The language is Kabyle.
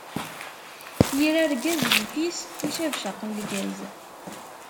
Yir rgaz, yif-it ucabcaq n lgaz.